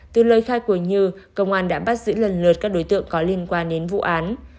từ lời khai của như công an đã bắt giữ lần lượt các đối tượng có liên quan đến vụ án